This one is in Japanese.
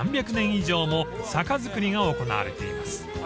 以上も酒造りが行われています］